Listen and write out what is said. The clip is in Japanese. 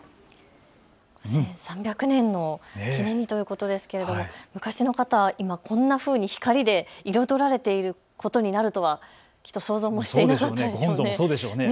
１３００年の記念にということですけれども昔の方、今こんなふうに光で彩られているということになるとはきっと想像もしていなかったでしょうね。